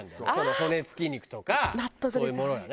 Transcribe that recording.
骨付き肉とかそういうものがね。